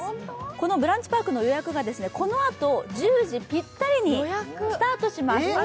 このＢＲＵＮＣＨＰＡＲＫの予約がこのあと１０時ぴったりにスタートします。